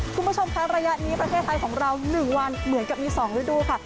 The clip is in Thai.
คุณผู้ชมค่ะระยะนี้ประเทศไทยของเรา๑วันเหมือนกับมี๒ฤดูค่ะ